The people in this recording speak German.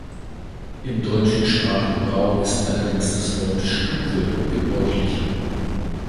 Im deutschen Sprachgebrauch ist allerdings das Wort "Stufe" gebräuchlicher.